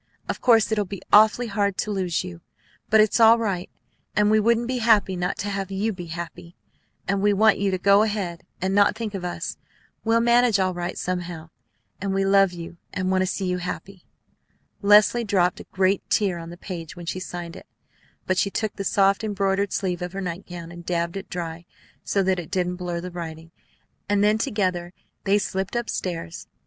Of course it'll be awfully hard to lose you; but it's right, and we wouldn't be happy not to have you be happy; and we want you to go ahead and not think of us. We'll manage all right somehow, and we love you and want to see you happy." Leslie dropped a great tear on the page when she signed it; but she took the soft, embroidered sleeve of her nightgown, and dabbled it dry, so that it didn't blur the writing; and then together they slipped up stairs.